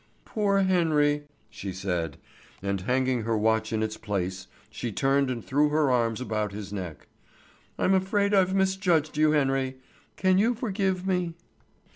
"Poor Henry!" she said, and hanging her watch in its place, she turned and threw her arms about his neck. "I'm afraid I've misjudged you, Henry! Can you forgive me?"